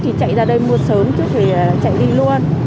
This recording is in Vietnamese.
thì chạy ra đây mua sớm chứ không thể chạy đi luôn